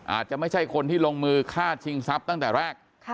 อาจจะไม่ใช่คนที่ลงมือฆ่าชิงทรัพย์ตั้งแต่แรก